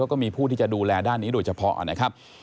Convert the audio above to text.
แล้วก็มีผู้ที่จะดูแลด้านนี้โดยเฉพาะนะครับ